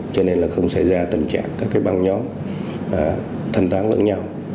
cho nên là không xảy ra tầm trạng các cái băng nhóm thân toán lẫn nhau